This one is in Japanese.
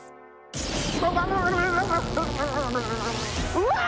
うわ！